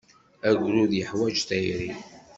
Agrud yeḥwaj tayri.